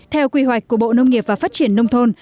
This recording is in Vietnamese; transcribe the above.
theo quy hoạch của bộ nông nghiệp và phát triển nông thôn